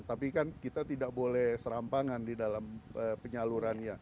tapi kan kita tidak boleh serampangan di dalam penyalurannya